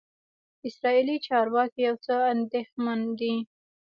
اسرائیلي چارواکي یو څه اندېښمن دي.